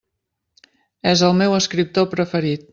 És el meu escriptor preferit.